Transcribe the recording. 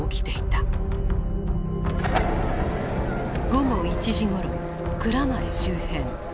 午後１時ごろ蔵前周辺。